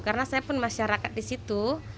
karena saya pun masyarakat di situ